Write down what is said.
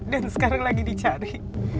dan sekarang lagi dicari